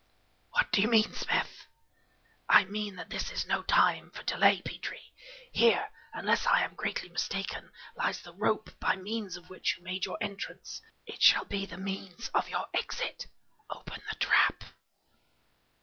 "What do you mean, Smith?" "I mean that this is no time for delay, Petrie! Here, unless I am greatly mistaken, lies the rope by means of which you made your entrance. It shall be the means of your exit. Open the trap!"